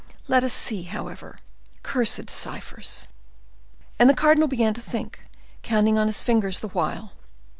Let us see, however. Cursed ciphers!" And the cardinal began to think, counting on his fingers the while.